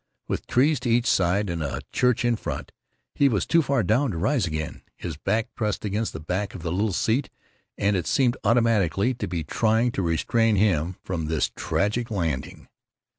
With trees to each side and a church in front, he was too far down to rise again. His back pressed against the back of the little seat, and seemed automatically to be trying to restrain him from this tragic landing.